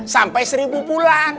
sampai seribu bulan